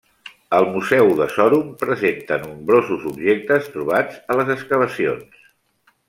El Museu de Çorum presenta nombrosos objectes trobats a les excavacions.